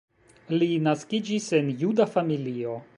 Li naskiĝis en juda familio.